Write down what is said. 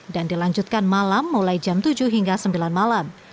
dan dilanjutkan malam mulai jam tujuh hingga sembilan malam